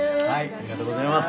ありがとうございます。